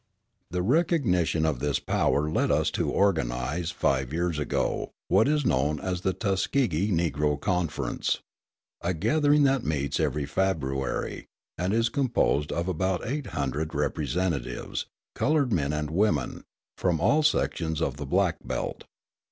The recognition of this power led us to organise, five years ago, what is known as the Tuskegee Negro Conference, a gathering that meets every February, and is composed of about eight hundred representatives, coloured men and women, from all sections of the Black Belt.